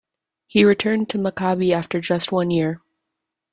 He returned to Maccabi after just one year.